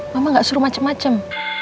mama gak suruh macem macem